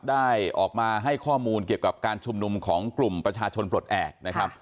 ได้ออกมาให้ข้อมูลเกี่ยวกับการชุมนุมของกลุ่มประชาชนปลดแอบนะครับ